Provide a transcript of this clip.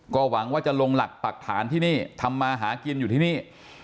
ก็หวังว่าจะลงหลักปรักฐานที่นี่ทำมาหากินอยู่ที่นี่